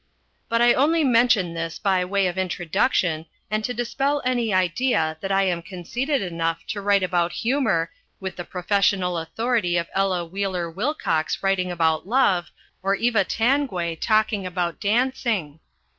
But I only mention this by way of introduction and to dispel any idea that I am conceited enough to write about humour, with the professional authority of Ella Wheeler Wilcox writing about love, or Eva Tanguay talking about dancing.